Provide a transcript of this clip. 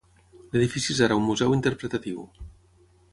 L'edifici és ara un museu interpretatiu.